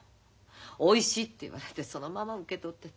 おいしいって言われてそのまま受け取ってた。